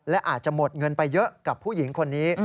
และอาจจะหมดเงินไปเยอะกับผู้หญิงคนนี้